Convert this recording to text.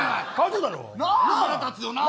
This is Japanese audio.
腹立つよな。